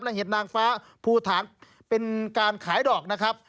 และเห็ดนางฟ้าภูฐานเป็นการขายดอกนะครับ